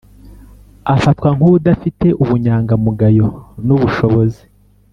afatwa nk’udafite ubunyangamugayo n’ubushobozi